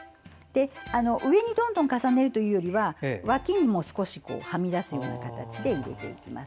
上にどんどん重ねるというより脇にも少し、はみ出すような形で入れていきます。